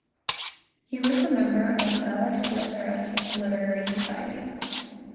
He was a Member of Belles Lettres Literary Society.